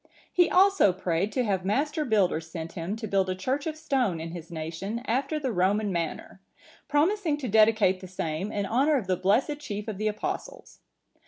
He also prayed to have master builders sent him to build a church of stone in his nation after the Roman manner,(950) promising to dedicate the same in honour of the blessed chief of the Apostles.